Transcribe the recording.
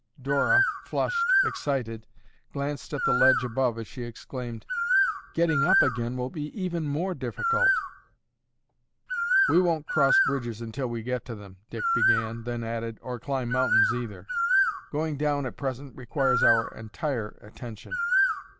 Dora, flushed, excited, glanced at the ledge above as she exclaimed, "Getting up again will be even more difficult." "We won't cross bridges until we get to them," Dick began, then added, "or climb mountains either. Going down at present requires our entire attention."